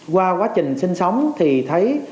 qua quá trình sinh sống thì thấy